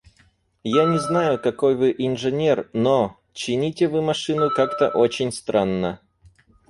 – Я не знаю, какой вы инженер, но… чините вы машину как-то очень странно.